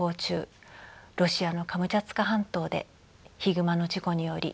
ロシアのカムチャツカ半島でヒグマの事故により急逝しました。